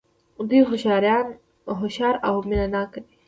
دوی هوښیار او مینه ناک دي.